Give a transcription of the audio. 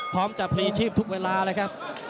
พร้อมจะพลีชีพทุกเวลาเลยครับ